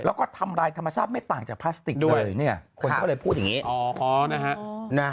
แล้วก็ทำลายธรรมชาติไม่ต่างจากพลาสติกเลยเนี่ยค่ะคนก็เลยพูดอย่างงี้อ๋ออ๋อนะฮะ